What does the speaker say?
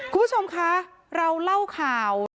คุณผู้ชมคะเราเล่าข่าว